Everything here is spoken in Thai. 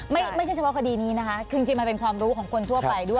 ไม่ใช่เฉพาะคดีนี้นะคะคือจริงมันเป็นความรู้ของคนทั่วไปด้วย